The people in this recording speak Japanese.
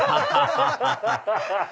ハハハハ！